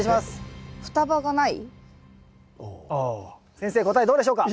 先生答えどうでしょうか？